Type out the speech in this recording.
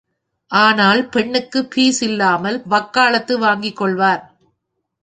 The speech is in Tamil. ஆனால் பெண்ணுக்குப் பீஸ் இல்லாமல் வக்காலத்து வாங்கிக் கொள்வார்.